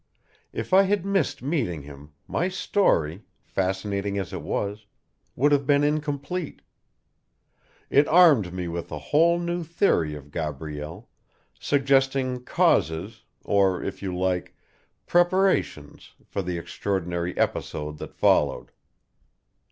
If I had missed meeting him, my story, fascinating as it was, would have been incomplete. It armed me with a whole new theory of Gabrielle, suggesting causes, or, if you like, preparations for the extraordinary episode that followed.